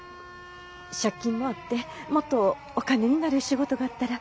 借金もあってもっとお金になる仕事があったら。